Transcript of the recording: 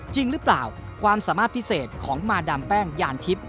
จริงหรือเปล่าความสามารถพิเศษของมาดามแป้งยานทิพย์